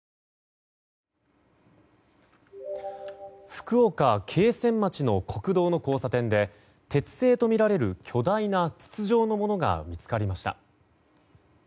福岡・桂川町の国道の交差点で鉄製とみられる、巨大な筒状のものが見つかりました。